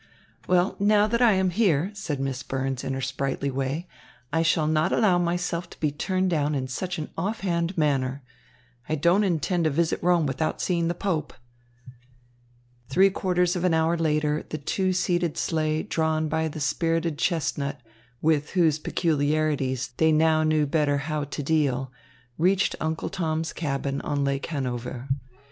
"Well, now that I am here," said Miss Burns in her sprightly way, "I shall not allow myself to be turned down in such an offhand manner. I don't intend to visit Rome without seeing the Pope." Three quarters of an hour later the two seated sleigh drawn by the spirited chestnut, with whose peculiarities they now knew better how to deal, reached Uncle Tom's Cabin on Lake Hanover.